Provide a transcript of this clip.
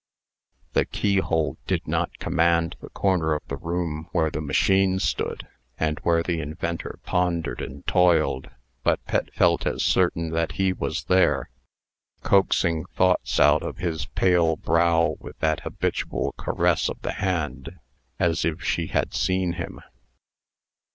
The keyhole did not command the corner of the room where the machine stood, and where the inventor pondered and toiled; but Pet felt as certain that he was there, coaxing thoughts out of his pale brow with that habitual caress of the hand, as if she had seen him.